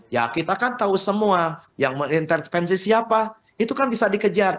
ya kita kan tahu semua yang mengintervensi siapa itu kan bisa dikejar